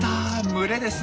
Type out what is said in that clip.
群れです。